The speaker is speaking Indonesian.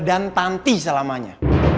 dan tanti selamanya